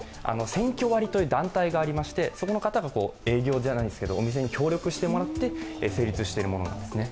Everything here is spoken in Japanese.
センキョ割という団体がありましてそこの方が営業ではないですが、お店の協力してもらって成立しているものなんですね。